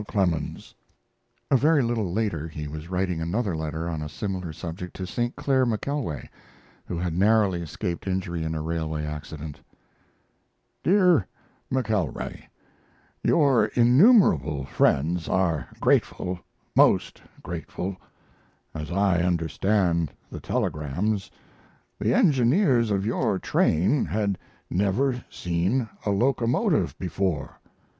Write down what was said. CLEMENS. A very little later he was writing another letter on a similar subject to St. Clair McKelway, who had narrowly escaped injury in a railway accident. DEAR McKELWAY, Your innumerable friends are grateful, most grateful. As I understand the telegrams, the engineers of your train had never seen a locomotive before....